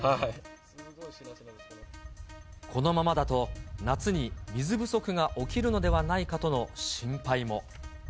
このままだと夏に水不足が起きるのではないかとの心配も。